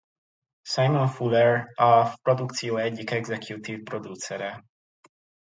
Simon Fuller a produkció egyik executive producere.